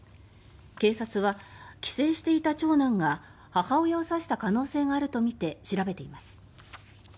警察は帰省していた長男が母親を刺した可能性があるとして調べています。